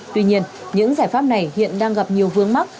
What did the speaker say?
tuy nhiên những giải pháp này hiện đang gặp nhiều vương mắc